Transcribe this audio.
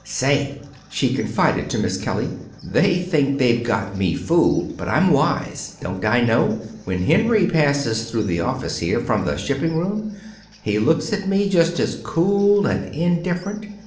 "Say," she confided to Miss Kelly, "they think they've got me fooled. But I'm wise. Don't I know? When Henry passes through the office here, from the shipping room, he looks at me just as cool and indifferent.